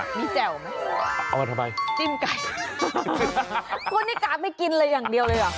มีแจ่วไหมจิ้มไก่คุณนี่กลายไม่กินอะไรอย่างเดียวเลยหรอ